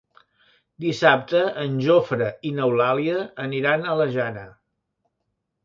Dissabte en Jofre i n'Eulàlia aniran a la Jana.